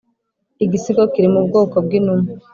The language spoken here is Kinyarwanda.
igisigo kiri mu bwoko bwinuma